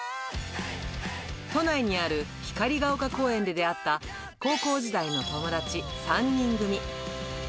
都内にある光が丘公園で出会った、高校時代の友達３人組。